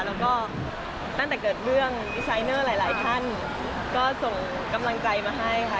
แล้วก็ตั้งแต่เกิดเรื่องดีไซเนอร์หลายท่านก็ส่งกำลังใจมาให้ค่ะ